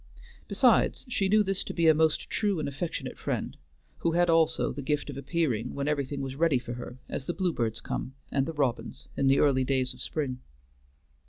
Besides, she knew this to be a most true and affectionate friend, who had also the gift of appearing when everything was ready for her, as the bluebirds come, and the robins, in the early days of spring.